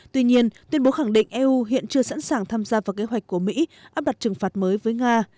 tuy nhiên tuyên bố khẳng định eu hiện chưa sẵn sàng tham gia vào kế hoạch của mỹ áp đặt trừng phạt mới với nga